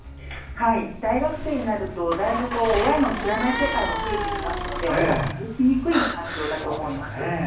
大学生になると親の知らない世界も増えてきますので親が気付きにくい環境だと思います。